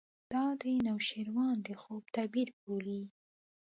دا د نوشیروان د خوب تعبیر بولي.